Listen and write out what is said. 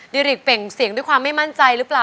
ดิริกเปล่งเสียงด้วยความไม่มั่นใจหรือเปล่า